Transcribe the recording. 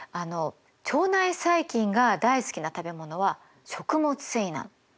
腸内細菌が大好きな食べ物は食物繊維なの。